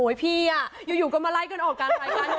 โยยย่ิ่งมาไร้กันออกกัน